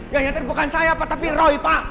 gaya terbukaan saya pak tapi roy pak